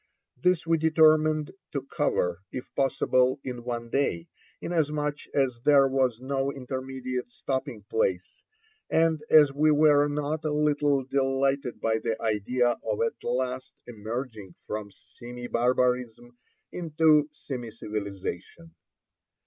This we determined to cover, if possible, in one day, inasmuch as there was no intermediate stopping place, and as we were not a little delighted by the idea of at last emerging from semi barbarism into semi civilization.